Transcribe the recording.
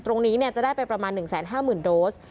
ตรงนี้จะได้ไปประมาณ๑๕๐๐๐โดส